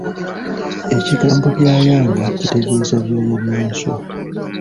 Ekigambo byayanga kitegeeza Byoya bya nswa.